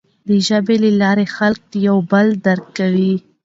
د ژبې له لارې خلک یو بل درک کوي.